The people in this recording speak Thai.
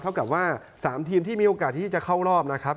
กับว่า๓ทีมที่มีโอกาสที่จะเข้ารอบนะครับ